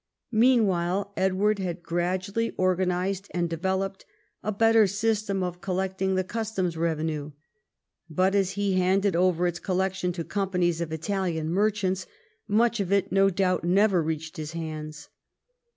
Mean while Edward had gradually organised and developed a better system of collecting the Customs revenue. But as he handed over its collection to companies of Italian merchants, much of it, no doubt, never reached his hands.